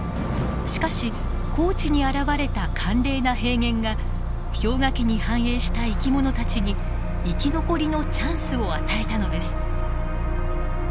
しかし高地に現れた寒冷な平原が氷河期に繁栄した生き物たちに生き残りのチャンスを与えたのです。